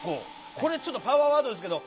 これちょっとパワーワードですけど。